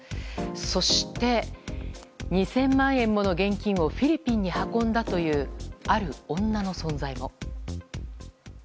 そして２０００万円もの現金をフィリピンに運んだというある女の存在も。